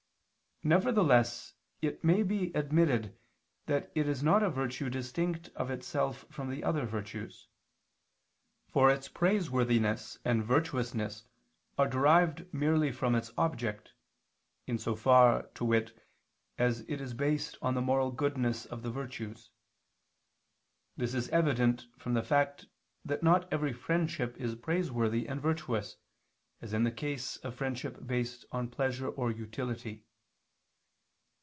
Nevertheless it may be admitted that it is not a virtue distinct of itself from the other virtues. For its praiseworthiness and virtuousness are derived merely from its object, in so far, to wit, as it is based on the moral goodness of the virtues. This is evident from the fact that not every friendship is praiseworthy and virtuous, as in the case of friendship based on pleasure or utility.